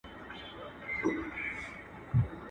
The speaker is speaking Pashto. نن به هرڅه چا لرل سبا به خوار وو.